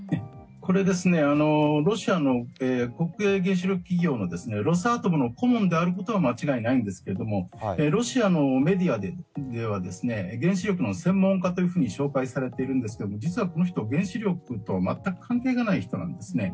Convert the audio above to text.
これはロシアの国営原子力企業のロスアトムの顧問であることは間違いないんですがロシアのメディアでは原子力の専門家というふうに紹介されているんですが実はこの人、原子力と全く関係のない人なんです。